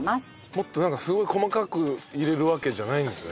もっとすごい細かく入れるわけじゃないんですね。